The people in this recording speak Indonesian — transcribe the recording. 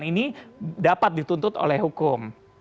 dan ini dapat dituntut oleh hukum